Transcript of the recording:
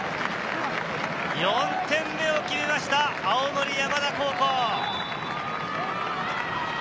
４点目を決めました、青森山田高校。